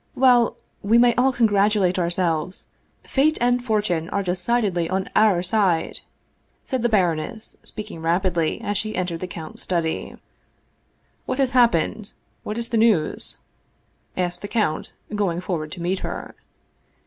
Well, we may all congratu late ourselves. Fate and fortune are decidedly on our side !" said the baroness, speaking rapidly, as she entered the count's study. "What has happened? What is the news?" asked the count, going forward to meet her.